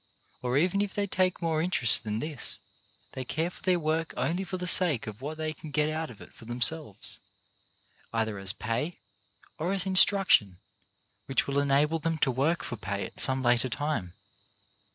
Or even if they take more interest than this, they care for their work only for the sake of what they can get out of it for themselves, either as pay, or as instruction which will enable them to work for pay at some later time.